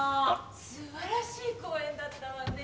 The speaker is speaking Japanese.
素晴らしい公演だったわね。